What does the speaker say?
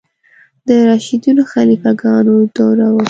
د راشدینو خلیفه ګانو دوره وه.